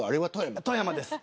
富山です。